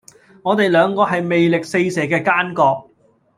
我地兩個係魅力四射既奸角